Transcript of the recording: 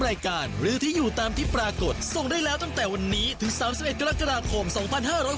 ไปดูกติกาเลยจ๊ะ